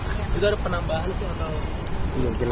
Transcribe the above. itu ada penambahan sih atau belum